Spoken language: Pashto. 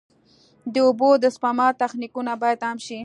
د اوبو د سپما تخنیکونه باید عام شي.